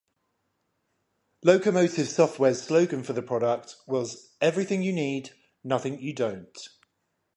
Locomotive Software's slogan for the product was Everything you need, nothing you don't.